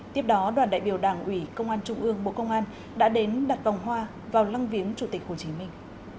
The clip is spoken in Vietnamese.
tiếp đó đoàn đại biểu đảng ủy công an trung ương bộ công an đã đến đặt vòng hoa vào lăng viếng chủ tịch hồ chí minh